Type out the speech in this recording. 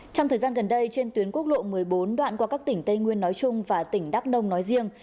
trong thời gian gần đây trên tuyến quốc lộ một mươi bốn đoạn qua các tỉnh tây nguyên nói chung và tỉnh đắk nông nói riêng